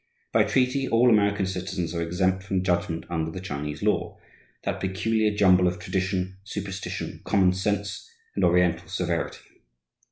By treaty, all American citizens are exempt from judgment under the Chinese law, that peculiar jumble of tradition, superstition, common sense, and Oriental severity.